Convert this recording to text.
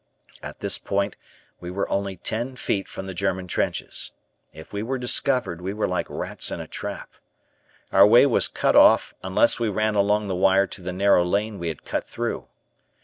At this point we were only ten feet from the German trenches. If we were discovered, we were like rats in a trap. Our way was cut off unless we ran along the wire to the narrow lane we had cut through.